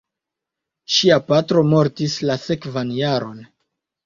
Ŝia patro mortis la sekvan jaron.